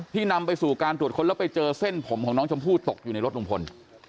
นำไปสู่การตรวจค้นแล้วไปเจอเส้นผมของน้องชมพู่ตกอยู่ในรถลุงพล